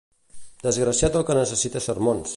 Desgraciat del que necessita sermons.